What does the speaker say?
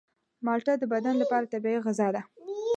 مالټه د بدن لپاره طبیعي غذا ده.